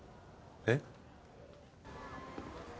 えっ？